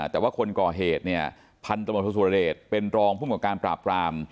แต่ว่าคนก่อเหตุเนี่ยพันธมสุรเดชเป็นรองภูมิกับการปราบราม